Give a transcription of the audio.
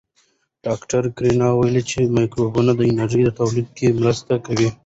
ډاکټر کرایان وویل چې مایکروبونه د انرژۍ تولید کې مرسته کوي.